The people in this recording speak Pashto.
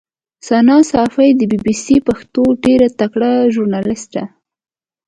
ثنا ساپۍ د بي بي سي پښتو ډېره تکړه ژورنالیسټه